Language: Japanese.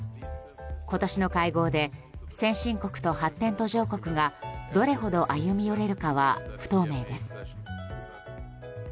今年の会合で先進国と発展途上国がどれほど歩み寄れるかは不透明です。